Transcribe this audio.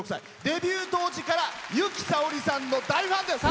デビュー当時から由紀さおりさんの大ファンです。